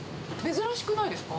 珍しくないですか？